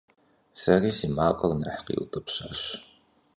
Сэри си макъыр нэхъ къиутӀыпщащ.